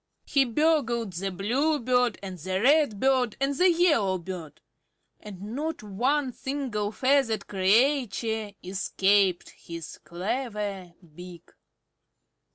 He burgled the Bluebird and the Redbird and the Yellowbird; and not one single feathered creature escaped his clever beak.